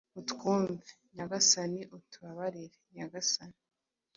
utwumve! Nyagasani, utubabarire! Nyagasani,